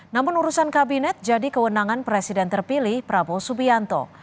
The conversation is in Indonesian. namun urusan kabinet jadi kewenangan presiden terpilih prabowo subianto